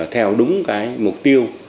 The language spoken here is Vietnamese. theo đúng cái mục tiêu